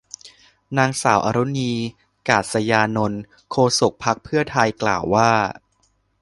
นางสาวอรุณี กาสยานนท์ โฆษกพรรคเพื่อไทย กล่าวว่า